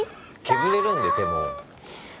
削れるんで手も。